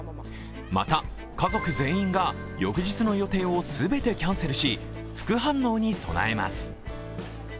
また、家族全員が翌日の予定を全てキャンセルし、副反応に備えます。